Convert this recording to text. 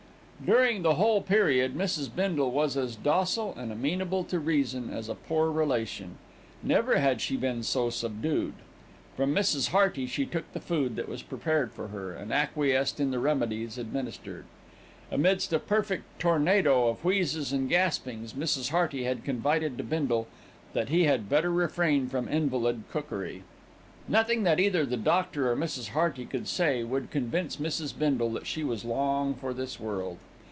During the whole period, Mrs. Bindle was as docile and amenable to reason as a poor relation. Never had she been so subdued. From Mrs. Hearty she took the food that was prepared for her, and acquiesced in the remedies administered. Amidst a perfect tornado of wheezes and gaspings, Mrs. Hearty had confided to Bindle that he had better refrain from invalid cookery. Nothing that either the doctor or Mrs. Hearty could say would convince Mrs. Bindle that she was long for this world.